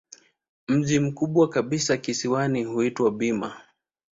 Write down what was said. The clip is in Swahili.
Mji mkubwa kabisa kisiwani huitwa Bima.